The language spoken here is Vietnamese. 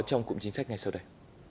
trong cụm chính sách ngay sau đây